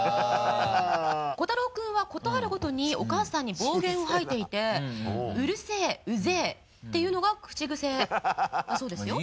湖太郎君はことあるごとにお母さんに暴言を吐いていて「うるせぇ」「うぜぇ」っていうのが口癖だそうですよ。